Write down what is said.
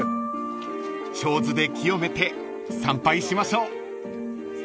［ちょうずで清めて参拝しましょう］